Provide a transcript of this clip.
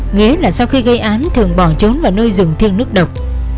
nghĩa là sau khi gây án thường bỏ trốn vào nơi rừng thiêng nước độc